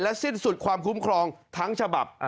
สิ้นสุดความคุ้มครองทั้งฉบับ